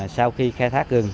sau khi khai thác rừng